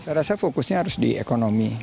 saya rasa fokusnya harus di ekonomi